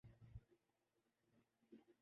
ایسے منصب کی آخر کیا ضرورت ہے؟